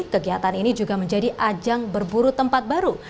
kegiatan ini juga menjadi ajang berburu tempat baru